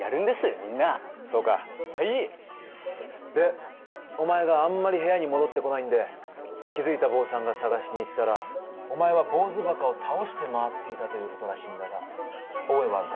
みんなそうかはいでお前があんまり部屋に戻ってこないんで気づいた坊さんが捜しに行ったらお前は坊主墓を倒して回っていたということらしいんだが覚えはあるか？